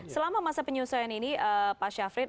selama masa penyesuaian ini pak syafri